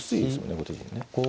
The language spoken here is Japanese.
後手陣ね。